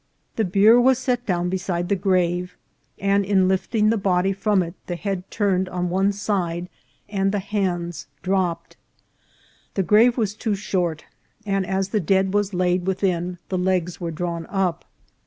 The bier was set down beside the grave, and in lifting the body from it the head turned on one side, and the hands dropped ; the grave was too short, and as the dead was laid wkhin the legs were drawn up.